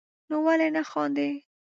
نو ولي نه خاندئ